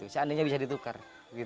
seandainya bisa ditukar